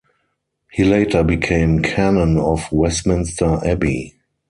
He later became Canon of Westminster Abbey.